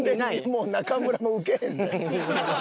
もう中村もウケへんで。